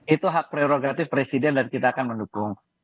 itu hak prerogatif presiden dan kita akan mendukung